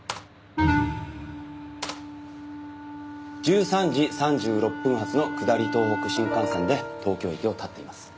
１３時３６分発の下り東北新幹線で東京駅を発っています。